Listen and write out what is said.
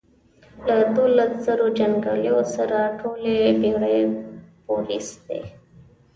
له دوولس زرو جنګیالیو سره ټولې بېړۍ پورېستې.